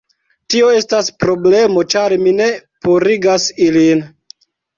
Tio estas problemo ĉar mi ne purigas ilin